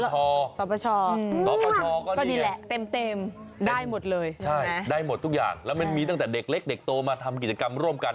สอปชเป็นเป็มได้หมดเลยใช่ได้หมดตั้งแต่เด็กเล็กเด็กโตมาทำกิจกรรมร่วมกัน